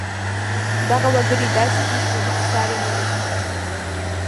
دغه وګړی داسې دی چې هېڅ ساری نه لري